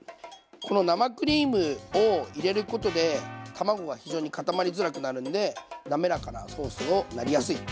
この生クリームを入れることで卵が非常に固まりづらくなるんでなめらかなソースをなりやすい。